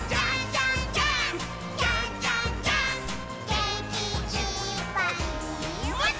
「げんきいっぱいもっと」